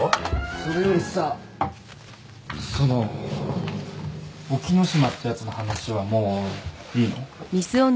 それよりさその沖野島ってやつの話はもういいの？